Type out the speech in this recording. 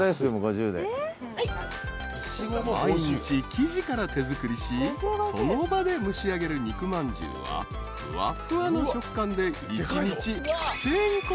［毎日生地から手作りしその場で蒸しあげる肉まんじゅうはふわふわの食感で］